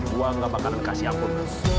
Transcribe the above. gue gak bakalan kasih ampun